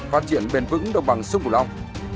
phát triển bền vững đồng bằng sông cửu long